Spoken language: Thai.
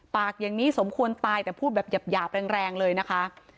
ปากอย่างนี้สมควรตายแต่พูดแบบหยาบแรงเลยนะคะ